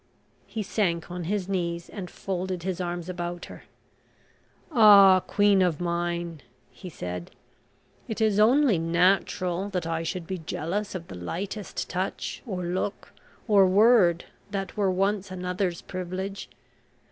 He sank on his knees, and folded his arms about her. "Ah, queen of mine," he said, "it is only natural that I should be jealous of the lightest touch, or look, or word, that were once another's privilege.